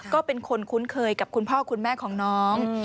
ก็เป็นคนคุ้นเคยกับคุณพ่อคุณแม่ของน้อง